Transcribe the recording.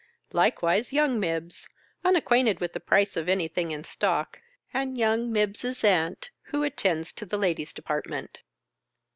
Likewise young Mibbs, unacquainted with the price of anything in stock, and young Mibbs's aunt who attends to the ladies' department.